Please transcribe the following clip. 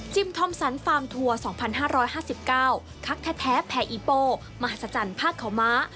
ทอมสันฟาร์มทัวร์๒๕๕๙คักแท้แผ่อีโปมหัศจรรย์ภาคเขาม้า